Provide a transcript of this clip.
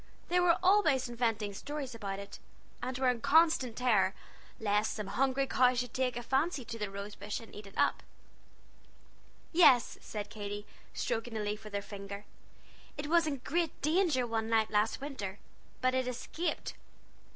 They were always inventing stories about it, and were in constant terror lest some hungry cow should take a fancy to the rose bush and eat it up. "Yes," said Katy, stroking a leaf with her finger, "it was in great danger one night last winter, but it escaped."